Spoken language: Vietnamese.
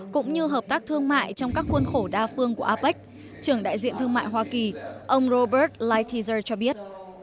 cũng như hợp tác thương mại trong các khuôn khổ đa phương của apec trưởng đại diện thương mại hoa kỳ ông robert lighthizer cho biết